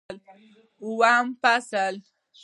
اووم فصل